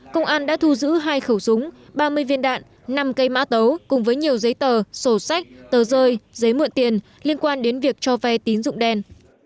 công an đã thu giữ hai khẩu súng ba mươi viên đạn năm cây mã tấu cùng với nhiều giấy tờ sổ sách tờ rơi giấy mượn tiền liên quan đến việc cho vay tín dụng đen